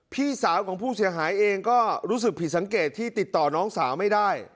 พี่สาวของผู้เสียหายเองก็รู้สึกผิดสังเกตที่ติดต่อน้องสาวไม่ได้